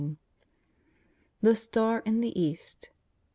i^L« THE STAE IN THE EAST.